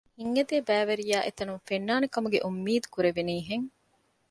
ހީވަނީ ހިތްއެދޭ ބައިވެރިޔާ އެތަނުން ފެންނާނެ ކަމުގެ އުއްމީދު ކުރެވެނީހެން